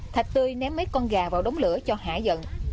thạch tươi ném mấy con gà vào đóng lửa cho hãi giận